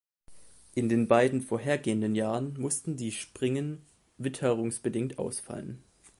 In den beiden vorgehenden Jahren mussten die Springen witterungsbedingt ausfallen.